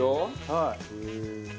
はい。